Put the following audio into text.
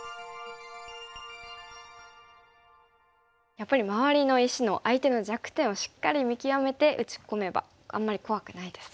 やっぱり周りの石の相手の弱点をしっかり見極めて打ち込めばあんまり怖くないですね。